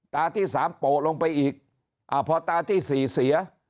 ตาที่สามโปะลงไปอีกอ่าพอตาที่สี่เสีย